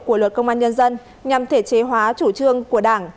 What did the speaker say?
của luật công an nhân dân nhằm thể chế hóa chủ trương của đảng